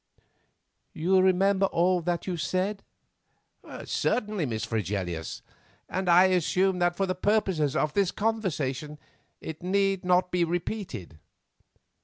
"You remember all that you said?" "Certainly, Miss Fregelius; and I assume that for the purposes of this conversation it need not be repeated."